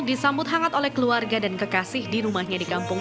disambut hangat oleh keluarga dan kekasih di rumahnya di kampung